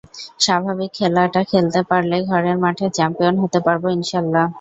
স্বাভাবিক খেলাটা খেলতে পারলে ঘরের মাঠে চ্যাম্পিয়ন হতে পারব ইনশা আল্লাহ।